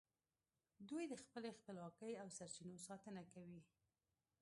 دوی د خپلې خپلواکۍ او سرچینو ساتنه کوي